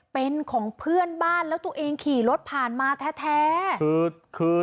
เป็นของเพื่อนบ้านแล้วตัวเองขี่รถผ่านมาแท้